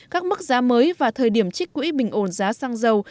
các mức giá mới và thời điểm trích quỹ bình ổn giá xăng dầu